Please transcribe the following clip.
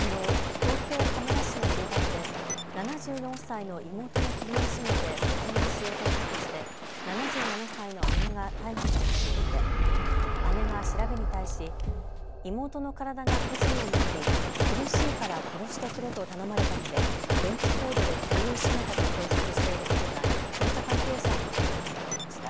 東京羽村市の住宅で７４歳の妹の首を絞めて殺害しようとしたとして７７歳の姉が逮捕された事件で姉が調べに対し妹の体が不自由になり苦しいから殺してくれと頼まれたので電気コードで首を絞めたと供述していることが捜査関係者への取材で分かりました。